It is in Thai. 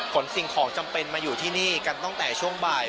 สิ่งของจำเป็นมาอยู่ที่นี่กันตั้งแต่ช่วงบ่าย